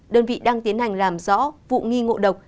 đơn vị đang tiến hành làm rõ vụ nghi ngộ độc